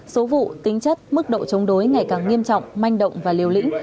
số vụ tính chất mức độ chống đối ngày càng nghiêm trọng manh động và liều lĩnh